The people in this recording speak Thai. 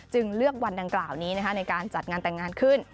เลือกวันดังกล่าวนี้ในการจัดงานแต่งงานขึ้น